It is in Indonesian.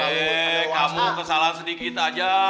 oke kamu kesalahan sedikit aja